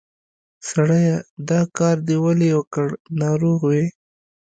سړیه! دا کار دې ولې وکړ؟ ناروغ وې؟